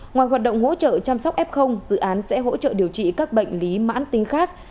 ngoài hoạt động hỗ trợ chăm sóc f dự án sẽ hỗ trợ điều trị các bệnh lý mãn tính khác